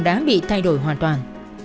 đã bị thay đổi hoàn toàn